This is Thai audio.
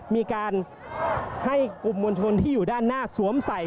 มีการให้กลุ่มมวลชนที่อยู่ด้านหน้าสวมใส่